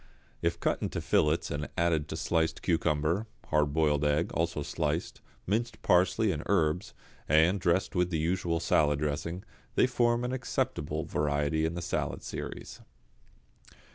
If cut into fillets and added to sliced cucumber, hard boiled egg, also sliced, minced parsley and herbs, and dressed with the usual salad dressing, they form an acceptable variety in the salad series.